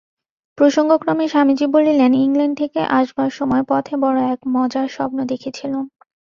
প্রসঙ্গক্রমে স্বামীজী বলিলেন ইংলণ্ড থেকে আসবার সময় পথে বড় এক মজার স্বপ্ন দেখেছিলুম।